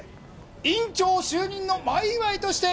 院長就任の前祝いとしてプロースト！